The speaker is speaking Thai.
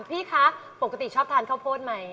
พี่คะปกติชอบทานข้าวโพดไหม